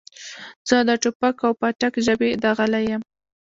زه د ټوپک او پاټک ژبې داغلی یم.